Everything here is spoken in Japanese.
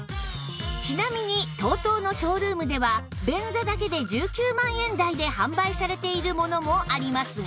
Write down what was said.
ちなみに ＴＯＴＯ のショールームでは便座だけで１９万円台で販売されているものもありますが